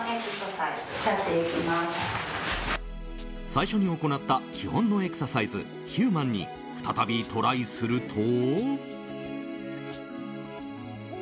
最初に行った基本のエクササイズヒューマンに再びトライすると。